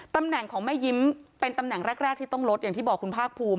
ตำแหน่งของแม่ยิ้มเป็นตำแหน่งแรกที่ต้องลดอย่างที่บอกคุณภาคภูมิ